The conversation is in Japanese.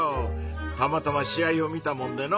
たまたま試合を見たもんでの。